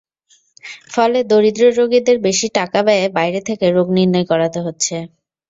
ফলে দরিদ্র রোগীদের বেশি টাকা ব্যয়ে বাইরে থেকে রোগ নির্ণয় করাতে হচ্ছে।